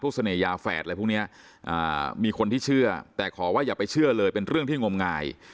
เสน่หยาแฝดอะไรพวกนี้มีคนที่เชื่อแต่ขอว่าอย่าไปเชื่อเลยเป็นเรื่องที่งมงาย